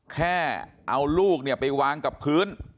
แค่เอาลูกไปวางกับพื้น